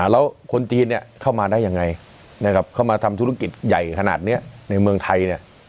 แล้วคนจีนเข้ามาได้ยังไงนะครับเข้ามาทำธุรกิจใหญ่ขนาดนี้ในเมืองไทยเนี่ย